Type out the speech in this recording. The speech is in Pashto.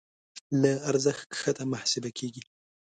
له ارزښت کښته محاسبه کېږي.